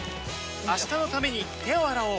明日のために手を洗おう